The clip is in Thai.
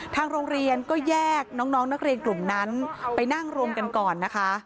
ทางโรงเรียนก็แยกน้องนักเรียนกลุ่มนั้นไปนั่งรวมกันก่อนนะคะ